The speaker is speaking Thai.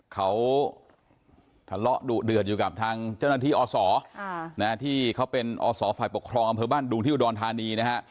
เขาทะเลาะดุเดือดอยู่กับทางเจ้าหน้าที่อศที่เขาเป็นอศฝ่ายปกครองอำเภอบ้านดุงที่อุดรธานีนะฮะ